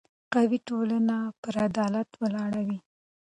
قوي ټولنه پر عدالت ولاړه وي